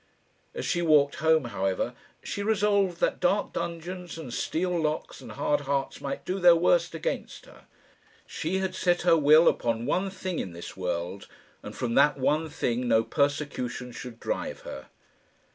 As she walked home, however, she resolved that dark dungeons and steel locks and hard hearts might do their worst against her. She had set her will upon one thing in this world, and from that one thing no persecution should drive her.